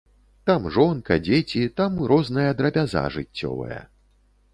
Там жонка, дзеці, там розная драбяза жыццёвая.